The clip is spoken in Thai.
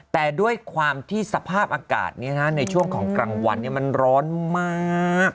แต่ด้วยความที่สภาพอากาศในช่วงของกลางวันมันร้อนมาก